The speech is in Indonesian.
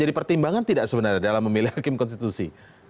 jadi pertimbangan tidak sebenarnya dalam memilih hakim konstitusi